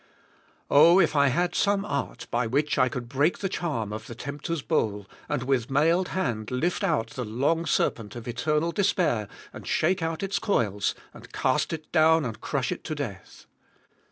Oh! if I had some art by which I could break the charm of the tempter's bowl, and with mailed hand lift out the long serpent of eternal despair, and shake out its coils, and cast it down, and crush it to death!